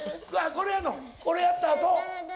これやったあと。